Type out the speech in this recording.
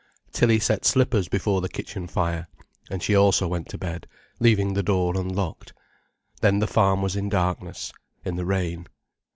Tilly set slippers before the kitchen fire, and she also went to bed, leaving the door unlocked. Then the farm was in darkness, in the rain.